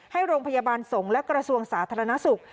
ให้โรงพยาบาลสงฆ์และกระทรวงสาธารณสุข